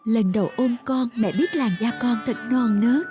lần đầu ôm con mẹ biết làng da con thật non nước